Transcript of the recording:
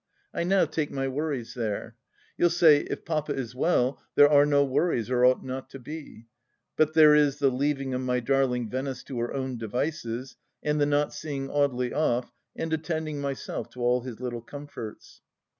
I now take my worries there. You'll say, if Papa is well there are no worries, or ought not to be. But there is the leaving of my darliag Venice to her own devices, and the not seeing Audely off, and attending myself to all his little comforts.